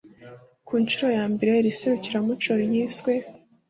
Ku nshuro ya mbere iri serukiramuco ryiswe